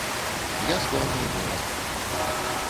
Я склаў на яго рапарт.